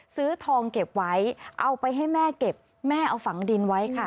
ซื้อทองเก็บไว้เอาไปให้แม่เก็บแม่เอาฝังดินไว้ค่ะ